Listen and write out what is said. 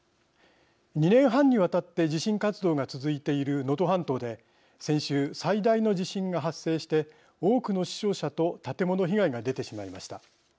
２年半にわたって地震活動が続いている能登半島で先週最大の地震が発生して多くの死傷者と建物被害が出てしまいました。